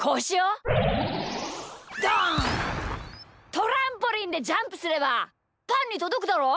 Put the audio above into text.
トランポリンでジャンプすればパンにとどくだろ！？